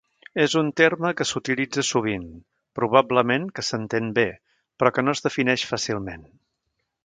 És un terme que s'utilitza sovint, probablement que s'entén bé, però que no es defineix fàcilment.